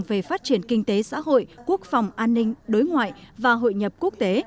về phát triển kinh tế xã hội quốc phòng an ninh đối ngoại và hội nhập quốc tế